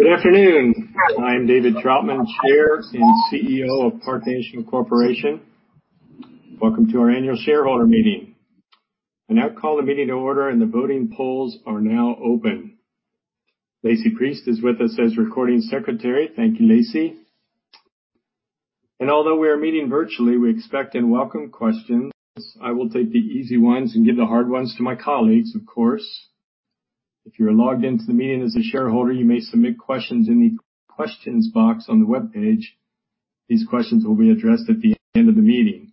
Good afternoon. I'm David Trautman, Chair and CEO of Park National Corporation. Welcome to our annual shareholder meeting. I now call the meeting to order and the voting polls are now open. Lacey Priest is with us as Recording Secretary. Thank you, Lacey. Although we are meeting virtually, we expect and welcome questions. I will take the easy ones and give the hard ones to my colleagues, of course. If you're logged into the meeting as a shareholder, you may submit questions in the questions box on the webpage. These questions will be addressed at the end of the meeting.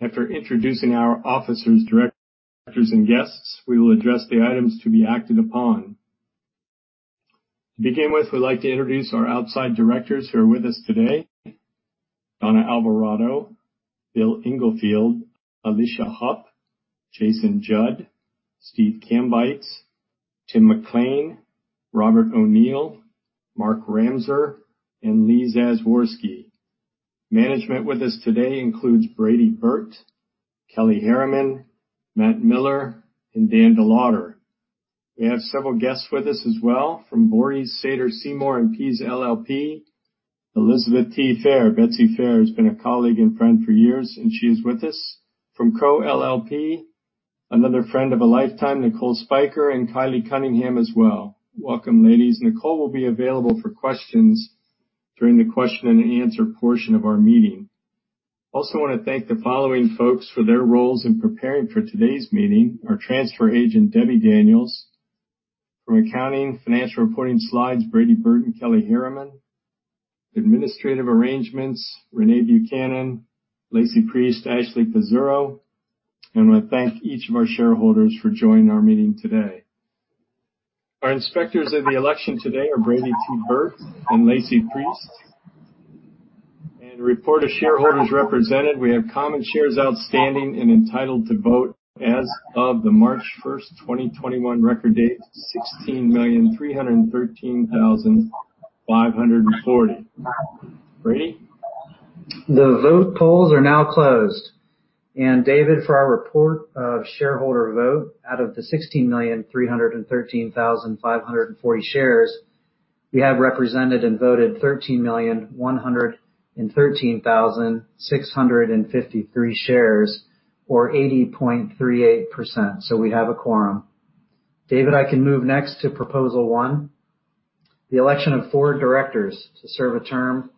After introducing our officers, directors, and guests, we will address the items to be acted upon. To begin with, we'd like to introduce our outside directors who are with us today. Donna Alvarado, Bill Englefield, Alicia Hupp, Jason Judd, Steve Kambeitz, Tim McLain, Robert O'Neill, Mark Ramser, and Leon Zazworsky. Management with us today includes Brady Burt, Kelly Herreman, Matt Miller, and Dan DeLawder. We have several guests with us as well from Vorys, Sater, Seymour and Pease LLP. Elizabeth T. Fair, Betsy Fair, has been a colleague and friend for years, and she is with us. From Crowe LLP, another friend of a lifetime, Nicole Spiker, and Kylie Cunningham as well. Welcome, ladies. Nicole will be available for questions during the question-and-answer portion of our meeting. I also want to thank the following folks for their roles in preparing for today's meeting, our transfer agent, Debbie Daniels, from accounting financial reporting slides, Brady Burt and Kelly Herreman, administrative arrangements, Renee Buchanan, Lacey Priest, Ashley Pizzurro, and I want to thank each of our shareholders for joining our meeting today. Our inspectors of the election today are Brady T. Burt and Lacey Priest. Report of shareholders represented, we have common shares outstanding and entitled to vote as of the March 1st, 2021 record date, 16,313,540. Brady? The vote polls are now closed. David, for our report of shareholder vote out of the 16,313,540 shares, we have represented and voted 13,113,653 shares or 80.38%, so we have a quorum. David, I can move next to proposal one, the election of four directors to serve a term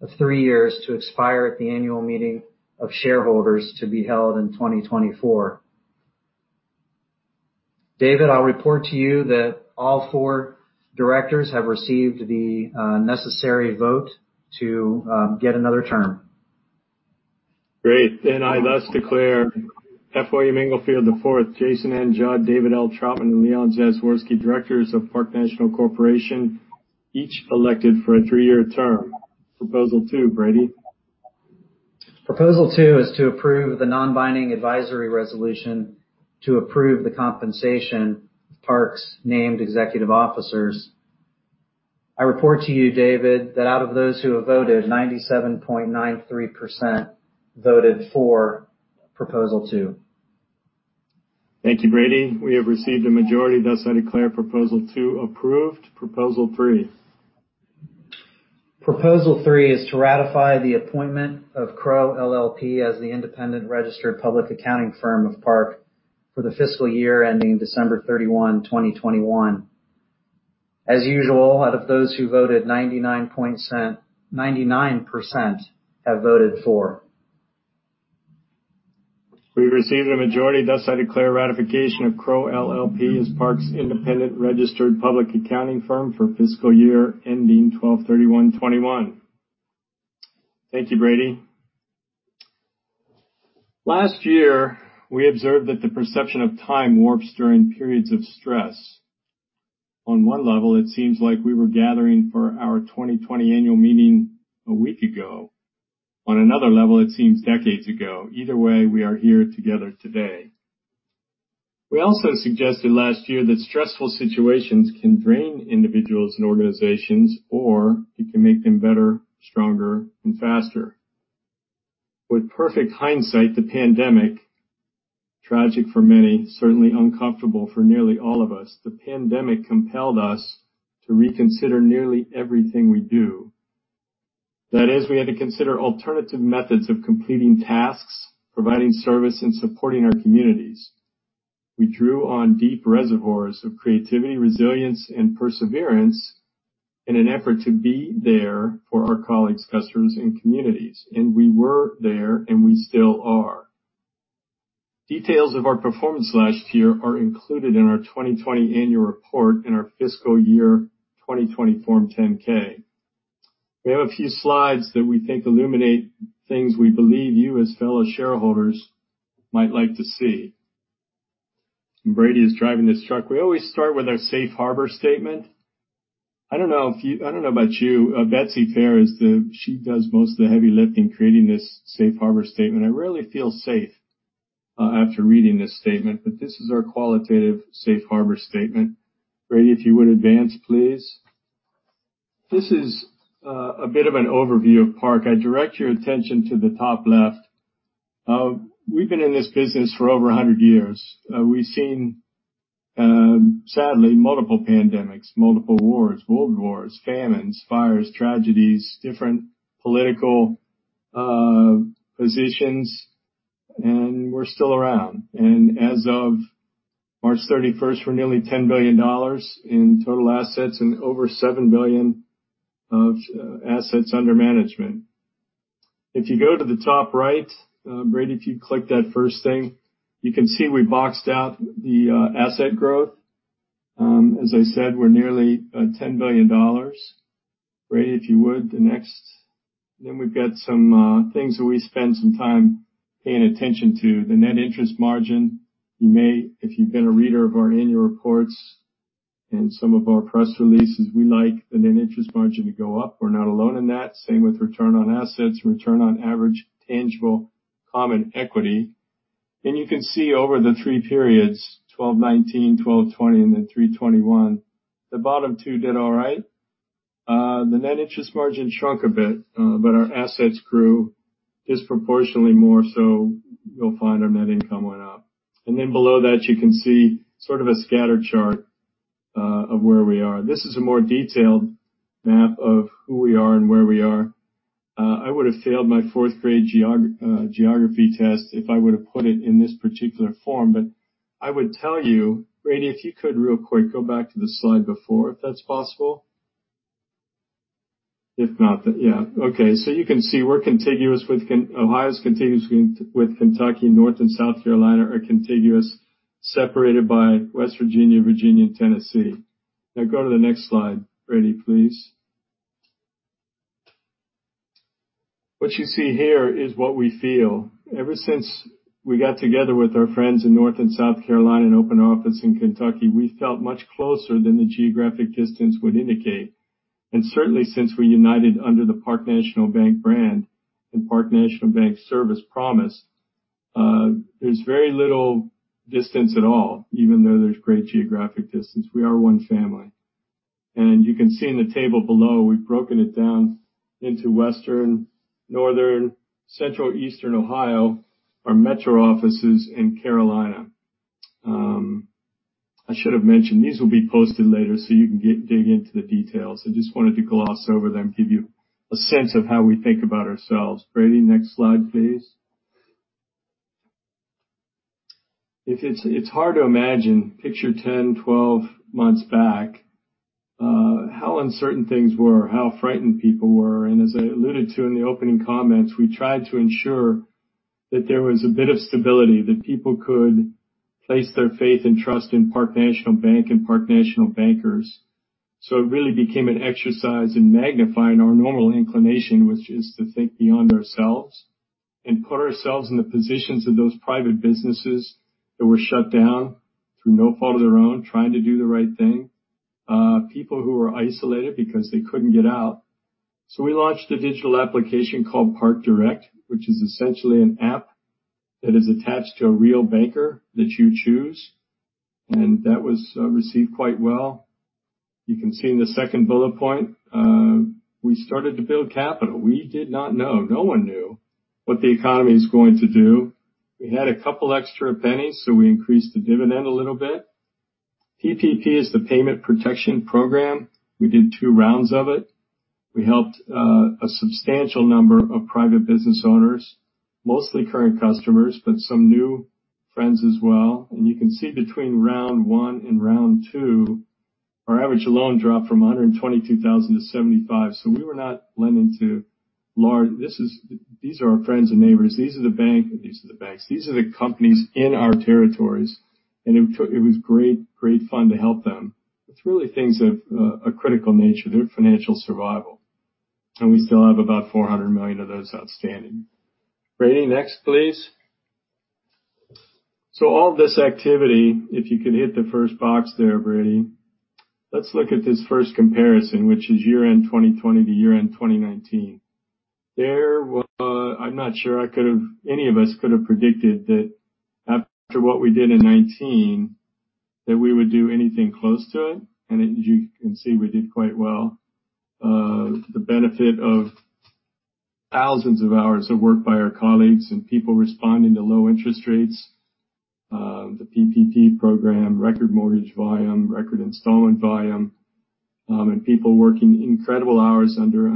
of three years to expire at the annual meeting of shareholders to be held in 2024. David, I'll report to you that all 4 directors have received the necessary vote to get another term. Great. I thus declare F. William Englefield IV, Jason N. Judd, David L. Trautman, and Leon Zazworsky, directors of Park National Corporation, each elected for a three-year term. Proposal two, Brady. Proposal two is to approve the non-binding advisory resolution to approve the compensation of Park's named executive officers. I report to you, David, that out of those who have voted, 97.93% voted for proposal two. Thank you, Brady. We have received a majority, thus I declare proposal two approved. Proposal three. Proposal three is to ratify the appointment of Crowe LLP as the independent registered public accounting firm of Park for the fiscal year ending December 31, 2021. As usual, out of those who voted, 99% have voted for. We received a majority, thus I declare ratification of Crowe LLP as Park's independent registered public accounting firm for fiscal year ending 12/31/21. Thank you, Brady. Last year, we observed that the perception of time warps during periods of stress. On one level, it seems like we were gathering for our 2020 annual meeting a week ago. On another level, it seems decades ago. Either way, we are here together today. We also suggested last year that stressful situations can drain individuals and organizations, or it can make them better, stronger, and faster. With perfect hindsight, the pandemic, tragic for many, certainly uncomfortable for nearly all of us. The pandemic compelled us to reconsider nearly everything we do. That is, we had to consider alternative methods of completing tasks, providing service, and supporting our communities. We drew on deep reservoirs of creativity, resilience, and perseverance in an effort to be there for our colleagues, customers, and communities. We were there, and we still are. Details of our performance last year are included in our 2020 annual report in our fiscal year 2020 Form 10-K. We have a few slides that we think illuminate things we believe you as fellow shareholders might like to see. Brady is driving this truck. We always start with our safe harbor statement. I don't know about you. Betsy Fair, she does most of the heavy lifting creating this safe harbor statement. I really feel safe, after reading this statement. This is our qualitative safe harbor statement. Brady, if you would advance, please. This is a bit of an overview of Park. I direct your attention to the top left. We've been in this business for over 100 years. We've seen, sadly, multiple pandemics, multiple wars, world wars, famines, fires, tragedies, different political positions, we're still around. As of March 31st, we're nearly $10 billion in total assets and over $7 billion of assets under management. If you go to the top right, Brady, if you click that first thing, you can see we boxed out the asset growth. As I said, we're nearly at $10 billion. Brady, if you would, the next. We've got some things that we spend some time paying attention to. The net interest margin. If you've been a reader of our annual reports and some of our press releases, we like the net interest margin to go up. We're not alone in that. Same with Return on Assets, Return on Average Tangible Common Equity. You can see over the three periods, 2019, 2020, and then 2021, the bottom two did all right. The net interest margin shrunk a bit, but our assets grew disproportionately more, so you'll find our net income went up. Below that, you can see sort of a scattered chart of where we are. This is a more detailed map of who we are and where we are. I would have failed my fourth-grade geography test if I would have put it in this particular form. I would tell you, Brady, if you could, real quick, go back to the slide before, if that's possible. If not, yeah. Okay. You can see Ohio is contiguous with Kentucky. North and South Carolina are contiguous, separated by West Virginia, and Tennessee. Go to the next slide, Brady, please. What you see here is what we feel. Ever since we got together with our friends in North and South Carolina and opened an office in Kentucky, we felt much closer than the geographic distance would indicate. Certainly, since we united under the Park National Bank brand and Park National Bank service promise, there's very little distance at all, even though there's great geographic distance. We are one family. You can see in the table below, we've broken it down into Western, Northern, Central, Eastern Ohio, our metro offices, and Carolina. I should have mentioned, these will be posted later so you can dig into the details. I just wanted to gloss over them, give you a sense of how we think about ourselves. Brady, next slide, please. It's hard to imagine. Picture 10, 12 months back, how uncertain things were, how frightened people were. As I alluded to in the opening comments, we tried to ensure that there was a bit of stability, that people could place their faith and trust in Park National Bank and Park National bankers. It really became an exercise in magnifying our normal inclination, which is to think beyond ourselves and put ourselves in the positions of those private businesses that were shut down through no fault of their own, trying to do the right thing. People who were isolated because they couldn't get out. We launched a digital application called Park Direct, which is essentially an app that is attached to a real banker that you choose, and that was received quite well. You can see in the second bullet point, we started to build capital. We did not know, no one knew, what the economy is going to do. We had a couple extra pennies. We increased the dividend a little bit. PPP is the Paycheck Protection Program. We did two rounds of it. We helped a substantial number of private business owners, mostly current customers, but some new friends as well. You can see between round one and round two, our average loan dropped from $122,000-$75,000. These are our friends and neighbors. These are the banks. These are the companies in our territories, and it was great fun to help them. It's really things of a critical nature, their financial survival. We still have about $400 million of those outstanding. Brady, next, please. All this activity, if you could hit the first box there, Brady. Let's look at this first comparison, which is year-end 2020 to year-end 2019. I'm not sure any of us could have predicted that after what we did in 2019, that we would do anything close to it. As you can see, we did quite well. The benefit of thousands of hours of work by our colleagues and people responding to low interest rates, the PPP program, record mortgage volume, record installment volume, and people working incredible hours under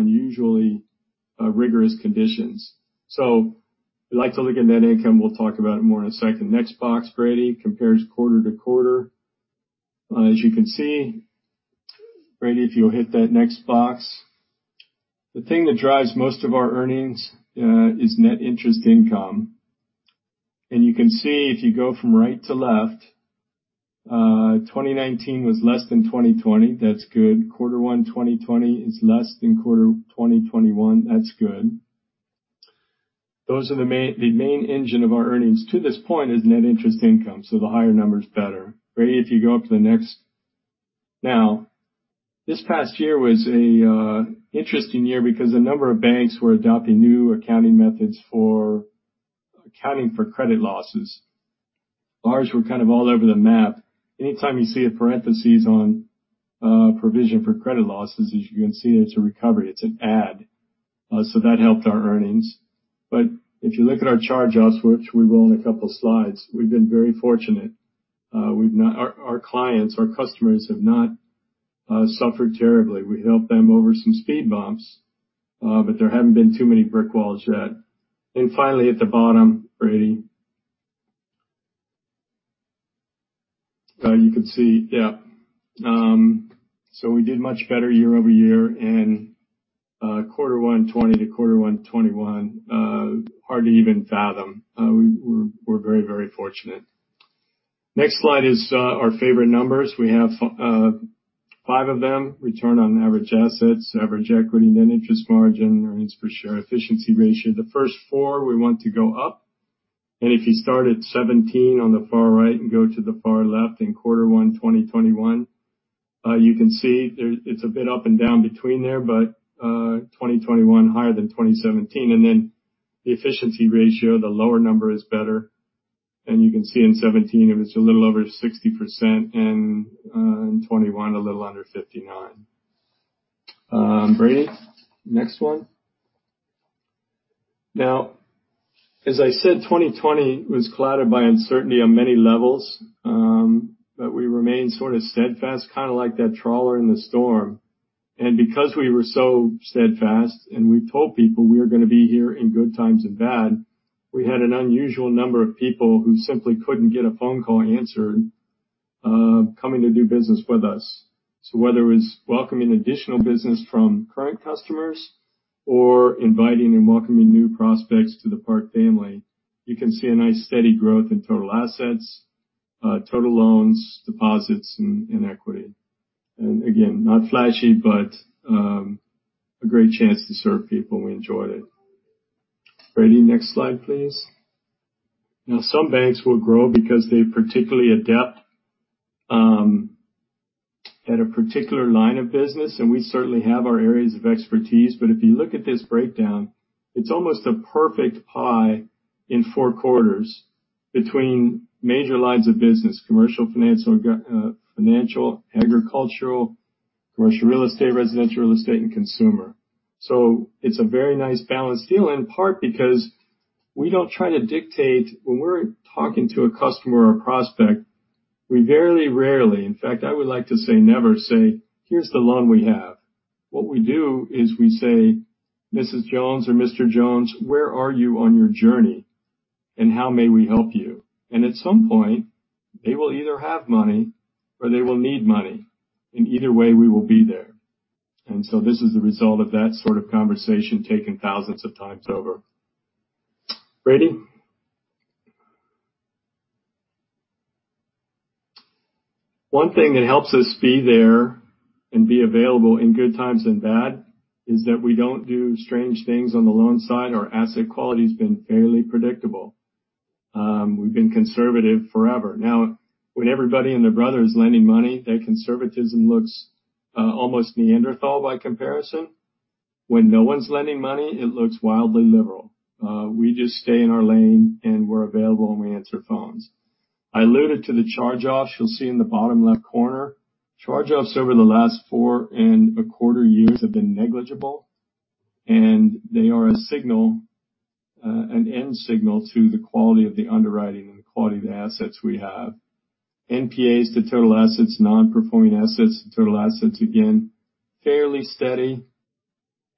unusually rigorous conditions. We like to look at net income. We'll talk about it more in a second. Next box, Brady. Compares quarter-to-quarter. As you can see, Brady, if you'll hit that next box. The thing that drives most of our earnings is net interest income. You can see if you go from right to left, 2019 was less than 2020. That's good. Quarter 1 2020 is less than quarter 2021. That's good. The main engine of our earnings to this point is net interest income, so the higher number is better. Brady, if you go up to the next. This past year was an interesting year because a number of banks were adopting new accounting methods for accounting for credit losses. Ours were kind of all over the map. Anytime you see a parenthesis on provision for credit losses, as you can see, it's a recovery. It's an add. That helped our earnings. If you look at our charge-offs, which we will in a couple of slides, we've been very fortunate. Our clients, our customers, have not suffered terribly. We helped them over some speed bumps, but there haven't been too many brick walls yet. Finally, at the bottom, Brady. We did much better year-over-year and quarter one 2020 to quarter one 2021, hard to even fathom. We're very fortunate. Next slide is our favorite numbers. We have five of them. Return on Average Assets, average equity, net interest margin, Earnings Per Share, Efficiency Ratio. The first four we want to go up. If you start at 2017 on the far right and go to the far left in quarter one 2021, you can see it's a bit up and down between there, but 2021 higher than 2017. The Efficiency Ratio, the lower number is better. You can see in 2017, it was a little over 60%, and in 2021, a little under 59%. Brady, next one. As I said, 2020 was clouded by uncertainty on many levels. We remained sort of steadfast, kind of like that trawler in the storm. Because we were so steadfast and we told people we are going to be here in good times and bad, we had an unusual number of people who simply couldn't get a phone call answered coming to do business with us. Whether it was welcoming additional business from current customers or inviting and welcoming new prospects to the Park family, you can see a nice steady growth in total assets, total loans, deposits, and equity. Again, not flashy, but a great chance to serve people. We enjoyed it. Brady, next slide, please. Some banks will grow because they particularly adept at a particular line of business, and we certainly have our areas of expertise. If you look at this breakdown, it's almost a perfect pie in four quarters between major lines of business. Commercial financial, agricultural, commercial real estate, residential real estate, and consumer. It's a very nice balanced deal, in part because we don't try to. When we're talking to a customer or prospect, we very rarely, in fact, I would like to say never say, "Here's the loan we have." What we do is we say, "Mrs. Jones or Mr. Jones, where are you on your journey? How may we help you?" At some point, they will either have money or they will need money. Either way, we will be there. This is the result of that sort of conversation taken thousands of times over. Brady. One thing that helps us be there and be available in good times and bad is that we don't do strange things on the loan side. Our asset quality's been fairly predictable. We've been conservative forever. When everybody and their brother is lending money, that conservatism looks almost Neanderthal by comparison. When no one's lending money, it looks wildly liberal. We just stay in our lane and we're available and we answer phones. I alluded to the charge-offs. You'll see in the bottom left corner. Charge-offs over the last four and a quarter years have been negligible. They are a signal, an end signal to the quality of the underwriting and the quality of the assets we have. NPAs to total assets, non-performing assets to total assets, again, fairly steady.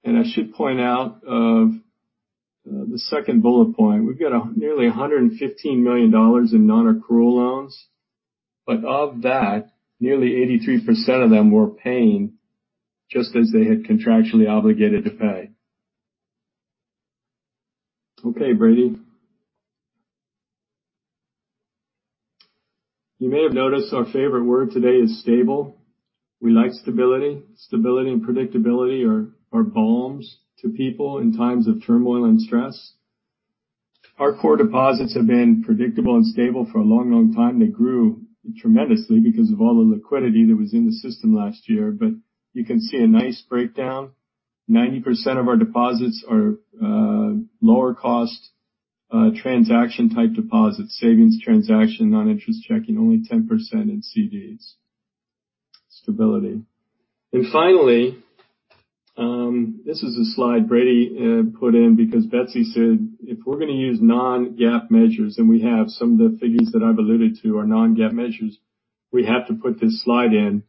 I should point out of the second bullet point, we've got nearly $115 million in non-accrual loans. Of that, nearly 83% of them were paying just as they had contractually obligated to pay. Okay, Brady. You may have noticed our favorite word today is stable. We like stability. Stability and predictability are balms to people in times of turmoil and stress. Our core deposits have been predictable and stable for a long time. They grew tremendously because of all the liquidity that was in the system last year. You can see a nice breakdown. 90% of our deposits are lower cost transaction type deposits, savings transaction, non-interest checking, only 10% in CDs. Stability. Finally, this is a slide Brady put in because Betsy said if we're going to use non-GAAP measures, and we have, some of the figures that I've alluded to are non-GAAP measures, we have to put this slide in.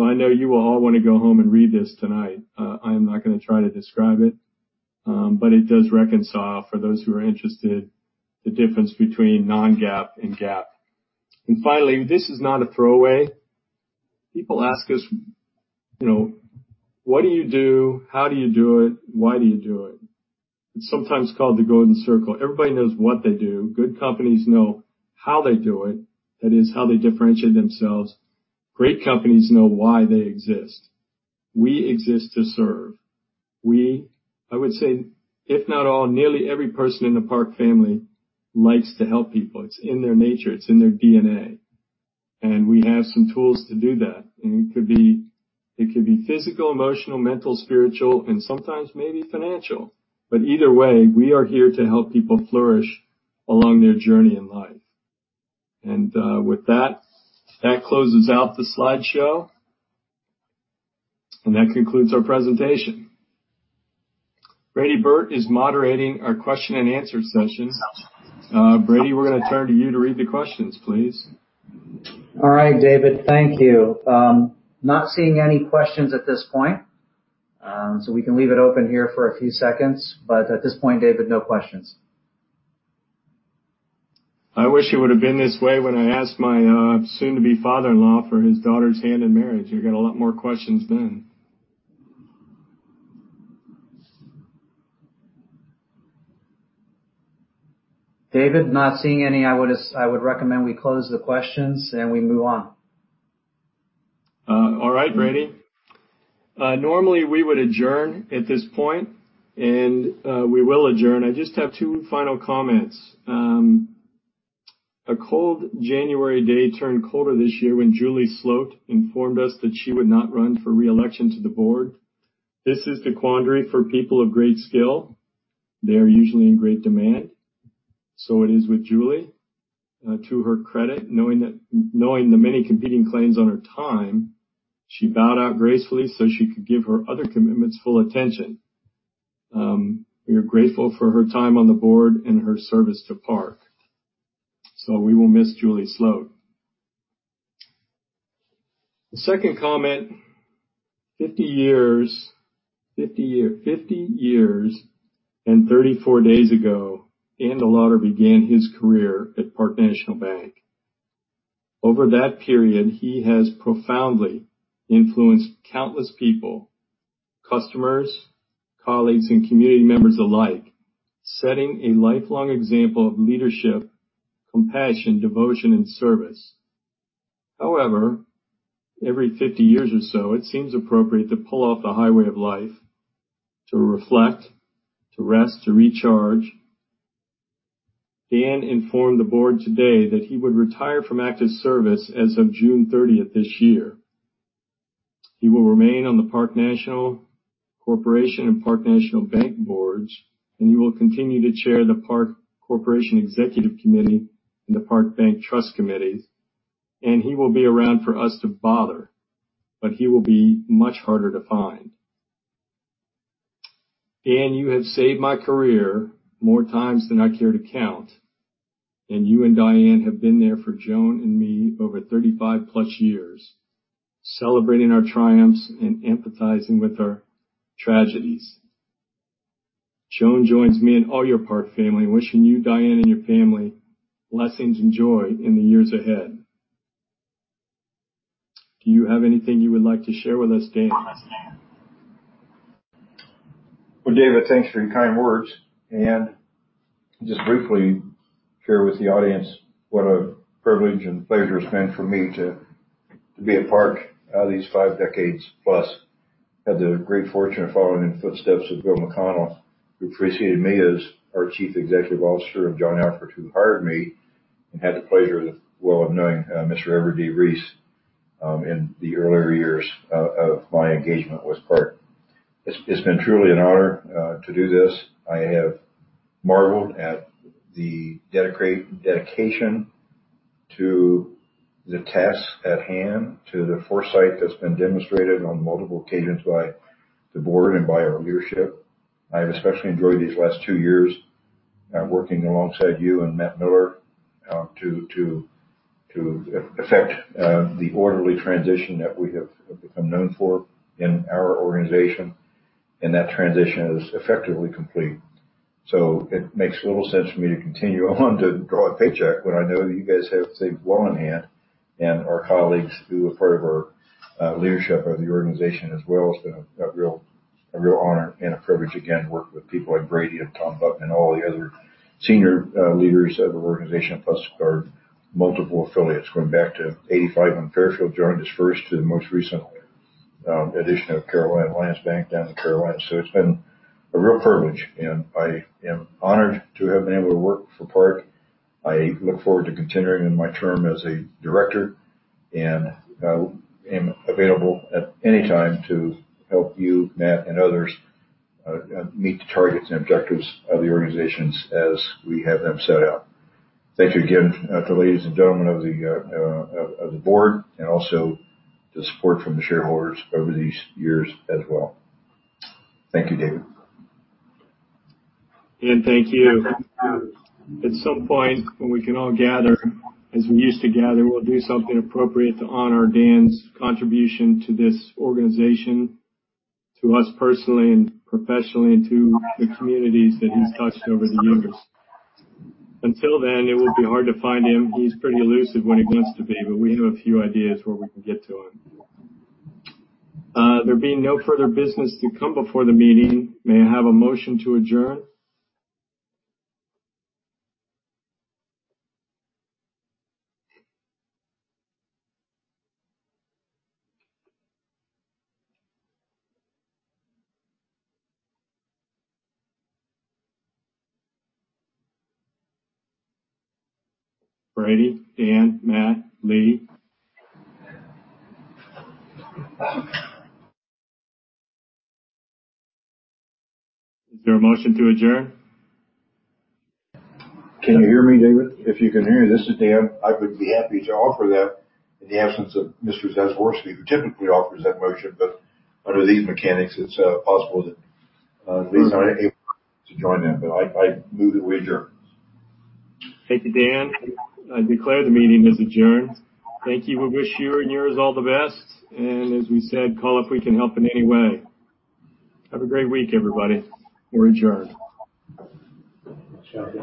I know you will all want to go home and read this tonight. I am not going to try to describe it. It does reconcile for those who are interested, the difference between non-GAAP and GAAP. Finally, this is not a throwaway. People ask us, what do you do? How do you do it? Why do you do it? It's sometimes called the Golden Circle. Everybody knows what they do. Good companies know how they do it. That is, how they differentiate themselves. Great companies know why they exist. We exist to serve. We, I would say if not all, nearly every person in the Park family likes to help people. It's in their nature. It's in their DNA. We have some tools to do that. It could be physical, emotional, mental, spiritual, and sometimes maybe financial. Either way, we are here to help people flourish along their journey in life. With that closes out the slideshow, and that concludes our presentation. Brady Burt is moderating our question and answer session. Brady, we're going to turn to you to read the questions, please. All right, David. Thank you. Not seeing any questions at this point, we can leave it open here for a few seconds. At this point, David, no questions. I wish it would've been this way when I asked my soon-to-be father-in-law for his daughter's hand in marriage. I got a lot more questions then. David, not seeing any, I would recommend we close the questions and we move on. All right, Brady. Normally we would adjourn at this point. We will adjourn. I just have two final comments. A cold January day turned colder this year when Julie Sloat informed us that she would not run for re-election to the board. This is the quandary for people of great skill. They are usually in great demand. It is with Julie. To her credit, knowing the many competing claims on her time, she bowed out gracefully so she could give her other commitments full attention. We are grateful for her time on the board and her service to Park. We will miss Julie Sloat. The second comment, 50 years and 34 days ago, Dan DeLawder began his career at Park National Bank. Over that period, he has profoundly influenced countless people, customers, colleagues, and community members alike, setting a lifelong example of leadership, compassion, devotion, and service. However, every 50 years or so, it seems appropriate to pull off the highway of life to reflect, to rest, to recharge. Dan informed the board today that he would retire from active service as of June 30th this year. He will remain on the Park National Corporation and Park National Bank boards, and he will continue to chair the Park National Corporation Executive Committee and the Park National Bank Trust Committee, and he will be around for us to bother. He will be much harder to find. Dan, you have saved my career more times than I care to count, and you and Diane have been there for Joan and me over 35 plus years, celebrating our triumphs and empathizing with our tragedies. Joan joins me and all your Park family in wishing you, Diane, and your family blessings and joy in the years ahead. Do you have anything you would like to share with us, Dan? David, thanks for your kind words, and just briefly share with the audience what a privilege and pleasure it's been for me to be at Park these five decades plus. Had the great fortune of following in the footsteps of Bill McConnell, who preceded me as our Chief Executive Officer, and John Alford, who hired me, and had the pleasure as well of knowing Mr. Everett D. Reese in the earlier years of my engagement with Park. It's been truly an honor to do this. I have marveled at the dedication to the task at hand, to the foresight that's been demonstrated on multiple occasions by the board and by our leadership. I've especially enjoyed these last two years working alongside you and Matt Miller to effect the orderly transition that we have become known for in our organization, and that transition is effectively complete. It makes little sense for me to continue on to draw a paycheck when I know that you guys have things well in hand and our colleagues who are part of our leadership of the organization as well. It's been a real honor and a privilege again to work with people like Brady and Tom Buck and all the other senior leaders of our organization, plus our multiple affiliates going back to 1985 when Fairfield joined us first to the most recent addition of Carolina Alliance Bank down in Carolina. I am honored to have been able to work for Park. I look forward to continuing in my term as a director, and I am available at any time to help you, Matt, and others meet the targets and objectives of the organizations as we have them set out. Thank you again to the ladies and gentlemen of the board, and also the support from the shareholders over these years as well. Thank you, David. Dan, thank you. At some point when we can all gather as we used to gather, we'll do something appropriate to honor Dan's contribution to this organization, to us personally and professionally, and to the communities that he's touched over the years. Until then, it will be hard to find him. He's pretty elusive when he wants to be, but we have a few ideas where we can get to him. There being no further business to come before the meeting, may I have a motion to adjourn? Brady? Dan? Matt? Lee? Is there a motion to adjourn? Can you hear me, David? If you can hear me, this is Dan. I would be happy to offer that in the absence of Mr. Zazworzky, who typically offers that motion. Under these mechanics, it's possible that Lisa unable to join them. I move that we adjourn. Thank you, Dan. I declare the meeting is adjourned. Thank you. We wish you and yours all the best. As we said, call if we can help in any way. Have a great week, everybody. We're adjourned.